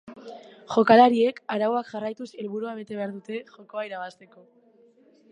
Jokalariek arauak jarraituz helburua bete behar dute jokoa irabazteko.